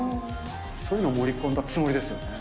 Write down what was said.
そういうの盛り込んだつもりですよね。